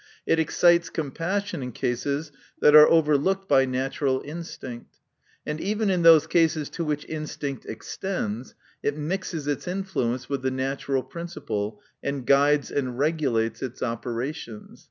It excites compassion in cases that are over looked by natural instinct. And even in those cases to which instinct extends, it mixes its influence with the natural principle, and guides and regulates its operations.